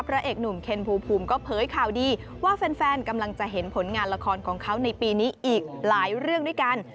พระเอกหนุ่มเคนภูมิก็เผยข่าวดีว่าแฟนกำลังจะเห็นผลงานละครของเขาในปีนี้อีกหลายเรื่องด้วยกัน